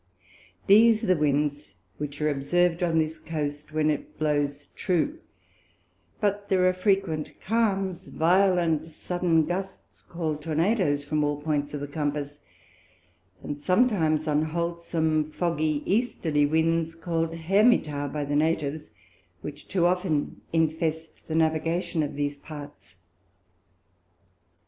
These are the Winds which are observ'd on this Coast when it blows true, but there are frequent Calms, violent sudden Gusts call'd Tornado's, from all Points of the Compass, and sometimes unwholsome foggy Easterly Winds, call'd Hermitaa by the Natives, which too often infest the Navigation of these parts.